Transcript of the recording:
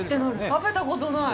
食べたことない。